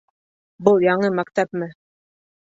Был яңы мәктәпме?